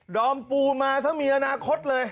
ดอมปูมาซะมีอนาคตเลย